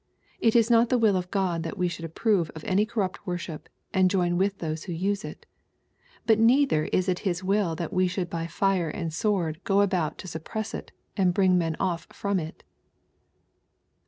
It is not the will of God that we should approve of any corrupt worship, and join with those who use iL JBut neither is it His will that we should by fire and sword go about to suppress it^ and bring men off firom it."